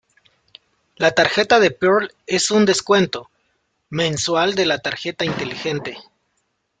La Tarjeta de Pearl es un descuento, mensual de la tarjeta inteligente.